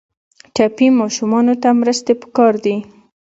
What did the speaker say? ټپي ماشومانو ته مرستې پکار دي.